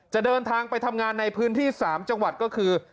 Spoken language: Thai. เดินทางไปทำงานในพื้นที่๓จังหวัดก็คือ